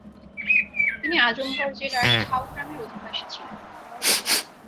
তিনি আজমগড় জেলার ছাঁউ গ্রামের অধিবাসী ছিলেন।